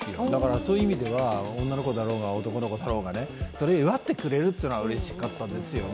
そういう意味では、女の子だろうが男の子だろうが、それを祝ってくれるのはうれしかったですよね。